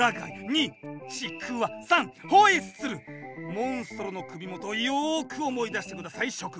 モンストロの首元をよく思い出してください諸君。